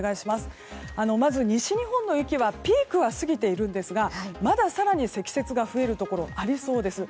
まず西日本の域はピークは過ぎているんですがまだ更に積雪が増えるところありそうです。